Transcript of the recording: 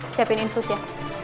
siapin infus ya